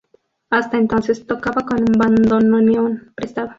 Hasta entonces tocaba con un bandoneón prestado.